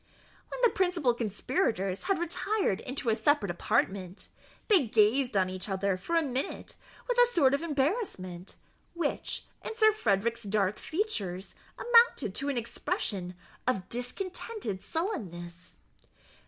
When the principal conspirators had retired into a separate apartment, they gazed on each other for a minute with a sort of embarrassment, which, in Sir Frederick's dark features, amounted to an expression of discontented sullenness.